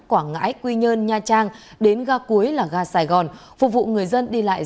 quảng ngãi quy nhơn nha trang đến ga cuối là ga sài gòn phục vụ người dân đi lại